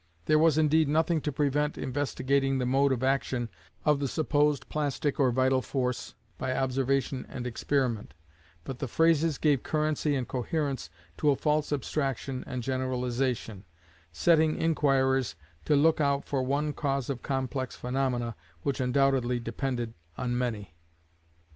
There was indeed nothing to prevent investigating the mode of action of the supposed plastic or vital force by observation and experiment; but the phrases gave currency and coherence to a false abstraction and generalization, setting inquirers to look out for one cause of complex phaenomena which undoubtedly depended on many.